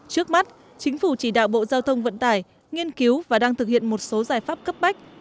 trước mắt chính phủ chỉ đạo bộ giao thông vận tải nghiên cứu và đang thực hiện một số giải pháp cấp bách